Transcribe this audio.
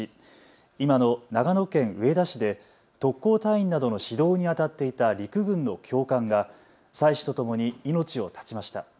今の長野県上田市で特攻隊員などの指導にあたっていた陸軍の教官が妻子とともに命を絶ちました。